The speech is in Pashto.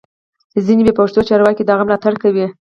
ځینې بې پښتو چارواکي د هغه ملاتړ کوي